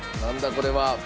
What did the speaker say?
これは。